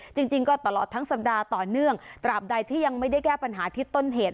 จริงจริงก็ตลอดทั้งสัปดาห์ต่อเนื่องตราบใดที่ยังไม่ได้แก้ปัญหาทิศต้นเหตุ